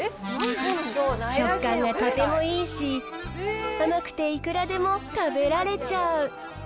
食感がとてもいいし、甘くていくらでも食べられちゃう。